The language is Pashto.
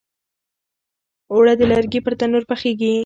اوړه د لرګي پر تنور پخیږي